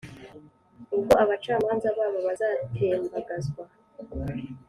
Ubwo abacamanza babo bazatembagazwa .